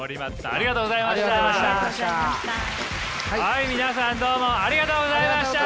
はい皆さんどうもありがとうございました！